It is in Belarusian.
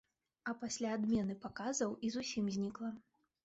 А пасля адмены паказаў і зусім знікла.